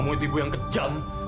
kamu itu ibu yang kejam